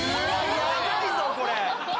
ヤバいぞこれ。